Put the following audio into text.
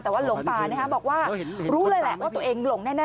แต่ว่าหลงป่าบอกว่ารู้เลยแหละว่าตัวเองหลงแน่